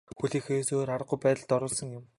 Хүлээхээс өөр аргагүй байдалд оруулсан юм.